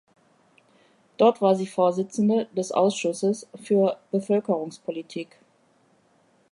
Dort war sie Vorsitzende des Ausschusses für Bevölkerungspolitik.